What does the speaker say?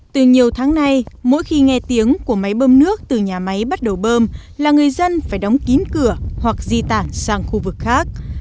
từ nhiều tháng nay mỗi khi nghe tiếng của máy bơm nước từ nhà máy bắt đầu bơm là người dân phải đóng kín cửa hoặc di tản sang khu vực khác